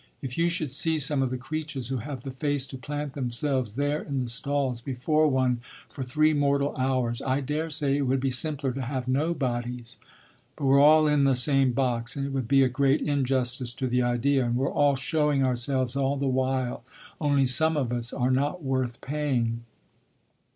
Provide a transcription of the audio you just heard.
If you should see some of the creatures who have the face to plant themselves there in the stalls before one for three mortal hours! I daresay it would be simpler to have no bodies, but we're all in the same box, and it would be a great injustice to the idea, and we're all showing ourselves all the while; only some of us are not worth paying."